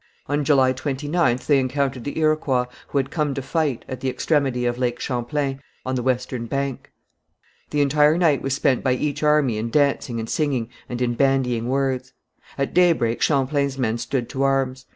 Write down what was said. On July 29th they encountered the Iroquois, who had come to fight, at the extremity of Lake Champlain, on the western bank. The entire night was spent by each army in dancing and singing, and in bandying words. At daybreak Champlain's men stood to arms.